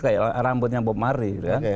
kayak rambutnya bob mari